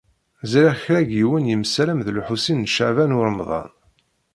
Ẓṛiɣ kra n yiwen yemsalam d Lḥusin n Caɛban u Ṛemḍan.